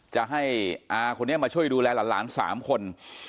จะให้อาคนนี้มาช่วยดูแลหลาน๓คน